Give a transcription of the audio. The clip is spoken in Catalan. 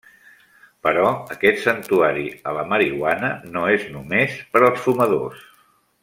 Però aquest santuari a la marihuana no és només per als fumadors.